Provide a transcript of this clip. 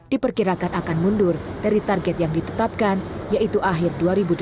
diperkirakan akan mundur dari target yang ditetapkan yaitu akhir dua ribu delapan belas